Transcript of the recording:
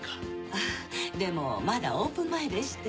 あでもまだオープン前でして。